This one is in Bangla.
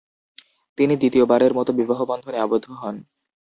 তিনি দ্বিতীয়বারের মতো বিবাহবন্ধনে আবদ্ধ হন।